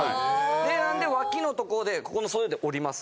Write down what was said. なんで脇のところでここの袖で折ります。